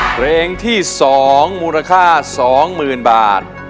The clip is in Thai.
เพลงที่สองมูลค่า๒หมื่นบาท